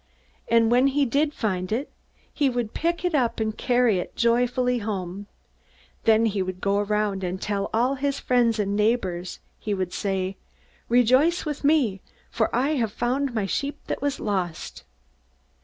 And when he did find it, he would pick it up and carry it joyfully home. Then he would go around and tell all his friends and neighbors. He would say: 'Rejoice with me! For I have found my sheep that was lost.'